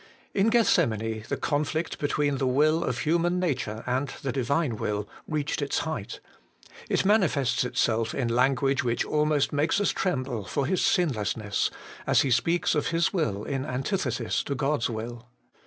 In Gethsemane the conflict between the will of human nature and the Divine will reached its 152 HOLY Df CHEIST. height : it manifests itself in language which almost makes us tremble for His sinlessness, as He speaks of His will in antithesis to God's will.